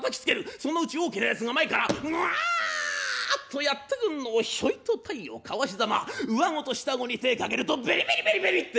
そのうち大きなやつが前からグワッとやって来るのをひょいと体をかわしざま上顎と下顎に手ぇかけるとベリベリベリベリって。